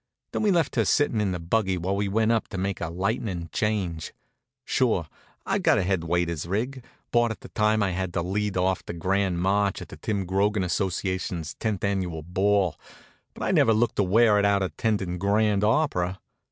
Then we left her sitting in the buggy while we went up to make a lightnin' change. Sure, I've got a head waiter's rig; bought it the time I had to lead off the grand march at the Tim Grogan Association's tenth annual ball, but I never looked to wear it out attendin' grand opera.